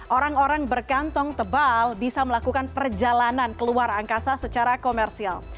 orang orang berkantong tebal bisa melakukan perjalanan ke luar angkasa secara komersial